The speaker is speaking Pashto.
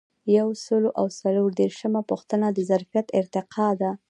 یو سل او څلور دیرشمه پوښتنه د ظرفیت ارتقا ده.